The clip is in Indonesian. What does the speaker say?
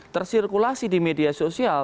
tersirkulasi di media sosial